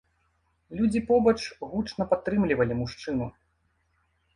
Людзі побач гучна падтрымлівалі мужчыну.